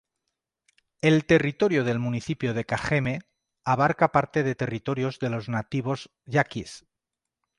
El territorio del municipio de Cajeme abarca parte de territorios de los nativos yaquis.